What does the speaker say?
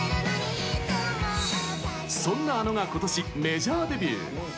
そんなａｎｏが今年、メジャーデビュー。